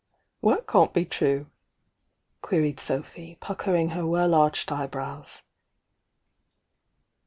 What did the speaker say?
"What can't be true?" queried Sophy, puckering her well arched eyebrows.